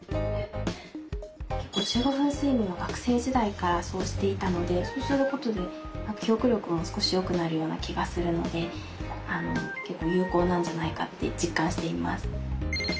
１５分睡眠は学生時代からそうしていたのでそうすることで記憶力も少し良くなるような気がするので有効なんじゃないかって実感しています。